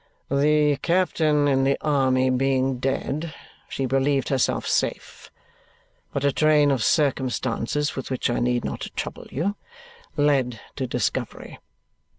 "The captain in the army being dead, she believed herself safe; but a train of circumstances with which I need not trouble you led to discovery.